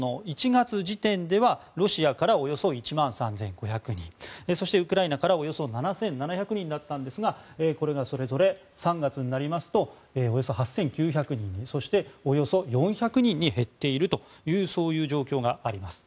１月時点ではロシアからおよそ１万３５００人そして、ウクライナからおよそ７７００人だったんですがこれがそれぞれ３月になりますとおよそ８９００人にそしておよそ４００人に減っているという状況があります。